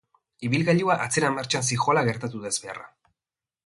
Ibilgailua atzera-martxan zihoala gertatu da ezbeharra.